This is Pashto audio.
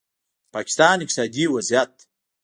د پاکستان اقتصادي وضعیت